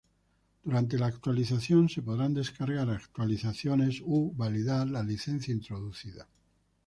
Durante la actualización se podrán descargar actualizaciones u validar la licencia introducida.